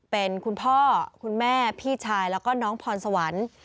เป็นคุณพ่อคุณแม่พี่ชายแล้วก็น้องพรสวรรค์